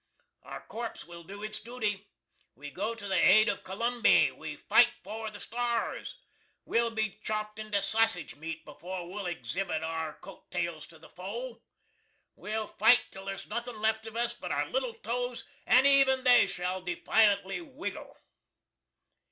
Our corpse will do its dooty. We go to the aid of Columby we fight for the stars! We'll be chopt into sassige meat before we'll exhibit our cote tales to the foe. We'll fight till there's nothin left of us but our little toes and even they shall defiantly wiggle!